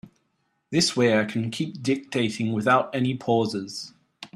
This way I can keep dictating without any pauses.